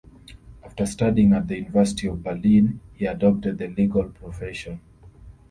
After studying at the University of Berlin he adopted the legal profession.